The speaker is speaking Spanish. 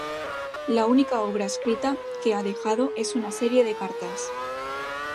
La única obra escrita que ha dejado es una serie de cartas.